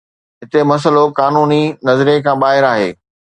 هتي مسئلو قانوني نظريي کان ٻاهر آهي